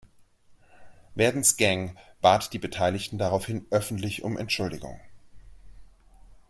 Verdens Gang bat die Beteiligten daraufhin öffentlich um Entschuldigung.